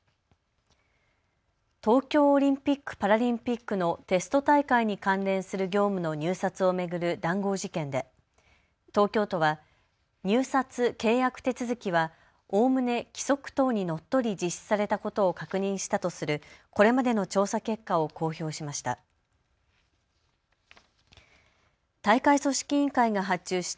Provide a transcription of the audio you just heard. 東京オリンピック・パラリンピックのテスト大会に関連する業務の入札を巡る談合事件で東京都は入札・契約手続きはおおむね規則等にのっとり実施されたことを確認したとするこれまでの調査結果を公表しました。